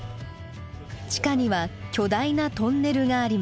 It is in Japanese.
地下には巨大なトンネルがありました。